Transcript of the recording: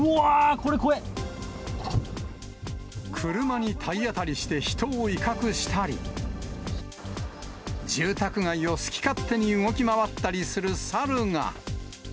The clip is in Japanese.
これ、車に体当たりして人を威嚇したり、住宅街を好き勝手に動き回ったりするサルが。